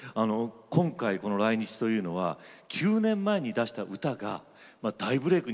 今回来日というのは９年前に出した歌が大ブレーク